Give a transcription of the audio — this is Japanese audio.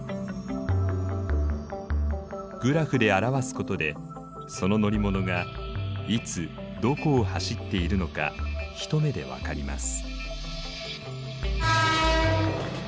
グラフで表すことでその乗り物がいつどこを走っているのか一目でわかります。